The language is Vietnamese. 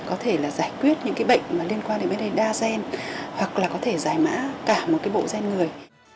có thể là giải quyết những cái bệnh liên quan đến vấn đề đa gen hoặc là có thể giải mã cả một cái bộ gen người